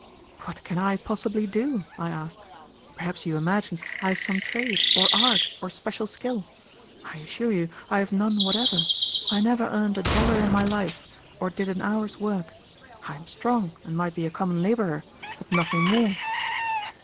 "What can I possibly do?" I asked. "Perhaps you imagine I have some trade, or art, or special skill. I assure you I have none whatever. I never earned a dollar in my life, or did an hour's work. I am strong, and might be a common laborer, but nothing more."